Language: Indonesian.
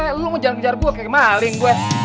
eh lu mau jalan kejar gue kayak maling gue